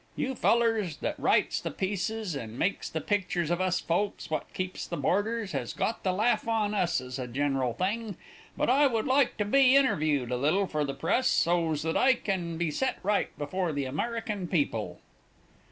You fellers that writes the pieces and makes the pictures of us folks what keeps the boarders has got the laugh on us as a general thing, but I would like to be interviewed a little for the press, so's that I can be set right before the American people."